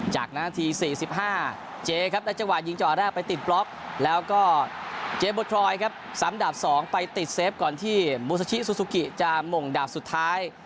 จากนั้นนาที๔๕เจครับได้จังหวะยิงจ่อแรกไปติดบล็อกแล้วก็เจเบอร์ทรอยด์ครับซ้ำดาบ๒ไปติดเซฟก่อนที่บูซาชิซูซูกิจะหม่งดาบสุดท้าย